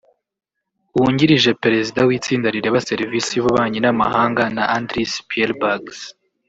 Wungirije Perezida w’itsinda rireba serivisi y’ububanyi n’amahanga na Andris Pielbags